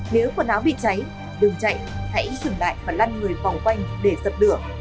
nếu quần áo bị cháy đừng chạy hãy dừng lại và lăn người vòng quanh để dập đửa